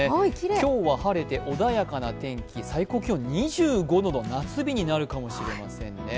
今日は晴れて、穏やかな天気最高気温２５度の夏日になるかもしれませんね。